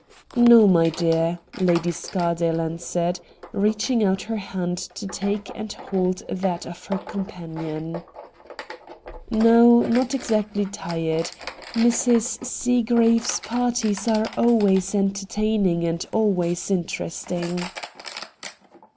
' No, my dear,' Lady Scardale answered, reaching out her hand to take and hold that of her companion. ' No, not exactly tired. 134 RED DIAMONDS Mrs. Seagreave's parties are always entertain ing and always interesting.'